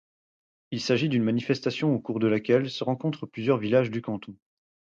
Il s'agit d'une manifestation au cours de laquelle se rencontrent plusieurs villages du canton.